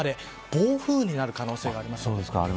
暴風雨になる可能性があります。